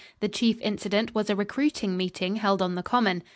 The chief incident was a recruiting meeting held on the Common.